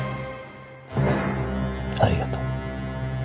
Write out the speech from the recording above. ありがとう。